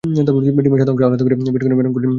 ডিমের সাদা অংশ আলাদা করে বিট করে মেরাং করে নিতে হবে।